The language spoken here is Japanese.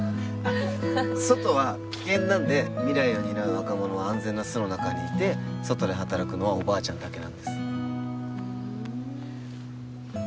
外は危険なんで未来を担う若者は安全な巣の中にいて外で働くのはおばあちゃんだけなんですふん